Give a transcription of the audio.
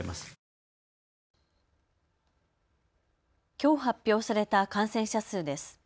きょう発表された感染者数です。